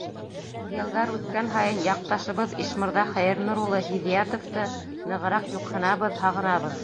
Йылдар үткән һайын яҡташыбыҙ Ишмырҙа Хәйернур улы Һиҙиәтовты нығыраҡ юҡһынабыҙ, һағынабыҙ.